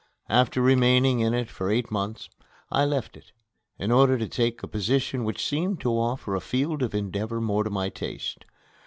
After remaining in it for eight months I left it, in order to take a position which seemed to offer a field of endeavor more to my taste.